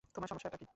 তোমার সমস্যাটা কী?